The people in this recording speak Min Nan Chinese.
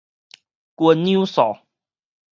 斤兩數